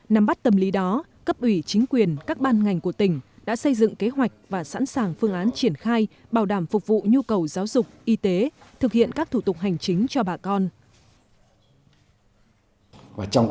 nắm bắt tâm lý đó cấp ủy chính quyền các ban ngành của tỉnh đã xây dựng kế hoạch và sẵn sàng phương án triển khai bảo đảm phục vụ nhu cầu giáo dục y tế thực hiện các thủ tục hành chính cho bà con